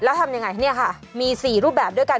แล้วทำยังไงเนี่ยค่ะมี๔รูปแบบด้วยกัน